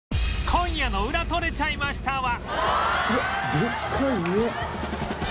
今夜の『ウラ撮れちゃいました』は